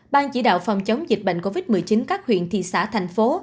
ban chỉ đạo phòng chống dịch bệnh covid một mươi chín các huyện thị xã thành phố